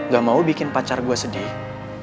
gak mau bikin pacar gue sedih